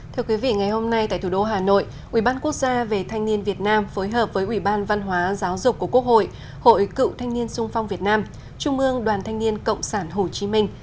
thưa quý vị ngày hôm nay tại thủ đô hà nội ubnd về thanh niên việt nam phối hợp với ủy ban văn hóa giáo dục của quốc hội hội cựu thanh niên sung phong việt nam trung ương đoàn thanh niên cộng sản hồ chí minh